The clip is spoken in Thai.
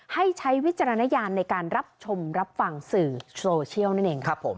ใช้วิจารณญาณในการรับชมรับฟังสื่อโซเชียลนั่นเองครับผม